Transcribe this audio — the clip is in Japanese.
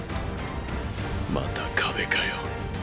また壁かよ。